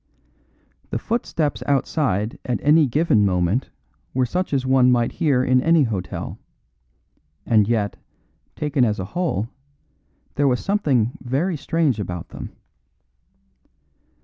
The footsteps outside at any given moment were such as one might hear in any hotel; and yet, taken as a whole, there was something very strange about them.